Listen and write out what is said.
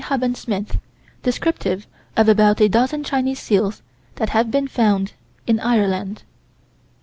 Huband Smith, descriptive of about a dozen Chinese seals that had been found in Ireland.